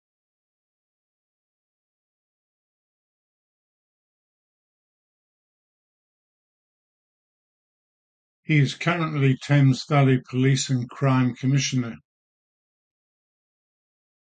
He is currently Thames Valley Police and Crime Commissioner.